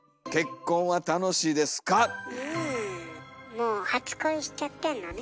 もう初恋しちゃってんのね。